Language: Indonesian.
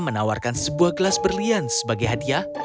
menawarkan sebuah gelas berlian sebagai hadiah